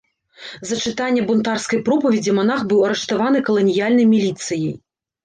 За чытанне бунтарскай пропаведзі манах быў арыштаваны каланіяльнай міліцыяй.